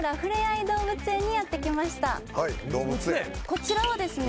こちらはですね